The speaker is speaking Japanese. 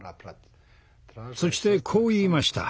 そしてこう言いました。